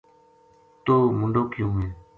توہ منڈو کیوں ہے